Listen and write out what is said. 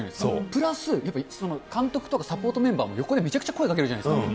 プラス監督とかサポートメンバーも横でめちゃくちゃ声をかけるじゃないですか。